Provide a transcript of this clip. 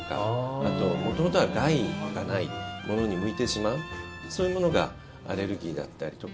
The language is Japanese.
あとは、元々は害がないものに向いてしまうそういうものがアレルギーだったりとか。